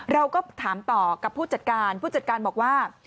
เราก็ถามต่อกับผู้จัดการผู้จัดการบอกว่า